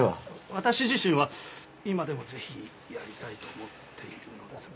私自身は今でもぜひやりたいと思っているのですが。